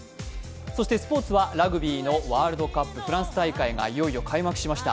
そしてスポーツはラグビーのワールドカップフランス大会がいよいよ開幕しました。